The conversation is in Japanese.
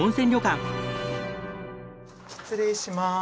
失礼します。